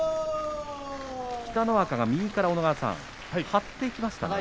北の若が右から小野川さん張っていきましたね。